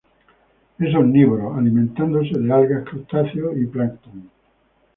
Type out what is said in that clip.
Es omnívoro, alimentándose de algas, crustáceos y plancton.